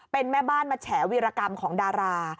เป็นแม่บ้านมาแฉวีรกรรมของดารา